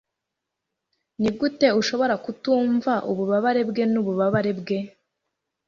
Nigute ushobora kutumva ububabare bwe nububabare bwe